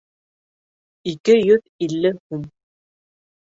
Ике йөҙ илле һум